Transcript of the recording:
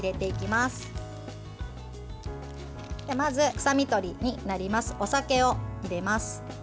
まず、臭みとりになりますお酒を入れます。